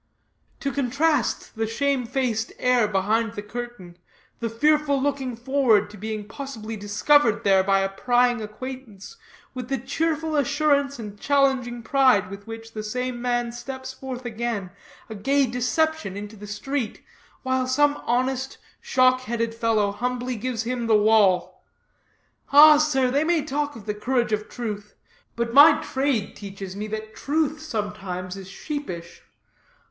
To contrast the shamefaced air behind the curtain, the fearful looking forward to being possibly discovered there by a prying acquaintance, with the cheerful assurance and challenging pride with which the same man steps forth again, a gay deception, into the street, while some honest, shock headed fellow humbly gives him the wall! Ah, sir, they may talk of the courage of truth, but my trade teaches me that truth sometimes is sheepish.